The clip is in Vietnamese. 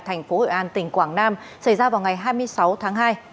thành phố hội an tỉnh quảng nam xảy ra vào ngày hai mươi sáu tháng hai